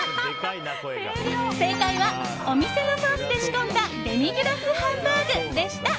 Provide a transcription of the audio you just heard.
正解はお店のソースで仕込んだデミグラスハンバーグでした。